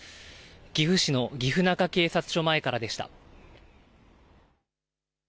岐阜市の岐阜中警察署前からでした。